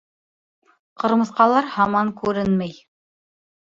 Ҡырмыҫҡалар һаман күренмәй.